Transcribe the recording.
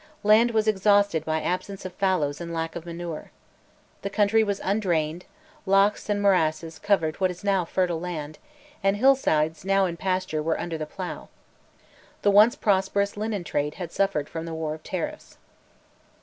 Land was exhausted by absence of fallows and lack of manure. The country was undrained, lochs and morasses covered what is now fertile land, and hillsides now in pasture were under the plough. The once prosperous linen trade had suffered from the war of tariffs.